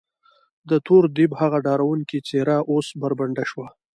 د تور دیب هغه ډارونکې څېره اوس بربنډه شوه.